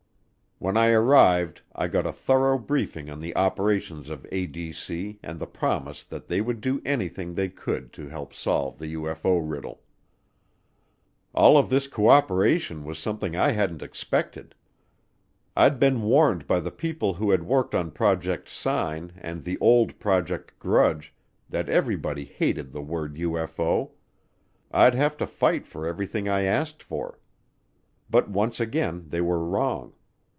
When I arrived I got a thorough briefing on the operations of ADC and the promise that they would do anything they could to help solve the UFO riddle. All of this co operation was something that I hadn't expected. I'd been warned by the people who had worked on Project Sign and the old Project Grudge that everybody hated the word UFO I'd have to fight for everything I asked for. But once again they were wrong.